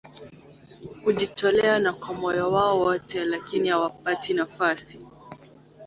kujitolea na kwa moyo wao wote lakini hawapati nafasi